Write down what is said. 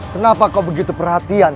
kenapa kau begitu perhatian